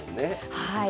はい。